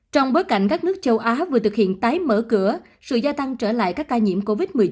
trong bối cảnh các nước châu á vừa thực hiện tái mở cửa sự gia tăng trở lại các ca nhiễm covid một mươi chín